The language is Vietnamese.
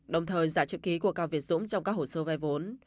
đồng thời giả trực ký của cao việt dũng trong các hồ sơ vai vốn